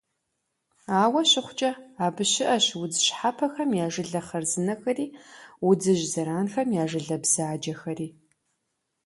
Ауэ щыхъукӀэ, абы щыӀэщ удз щхьэпэхэм я жылэ хъарзынэхэри удзыжь зэранхэм я жылэ бзаджэхэри.